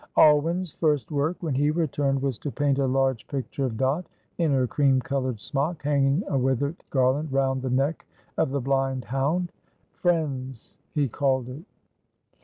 Alwyn's first work when he returned was to paint a large picture of Dot in her cream coloured smock, hanging a withered garland round the neck of the blind hound. "Friends" he called it.